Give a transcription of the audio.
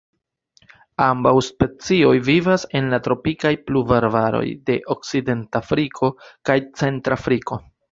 Ambaŭ specioj vivas en la tropikaj pluvarbaroj de Okcidentafriko kaj Centra Afriko.